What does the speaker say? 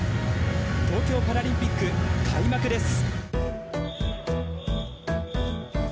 東京パラリンピック開幕です」。